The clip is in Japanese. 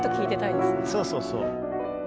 そうそうそう。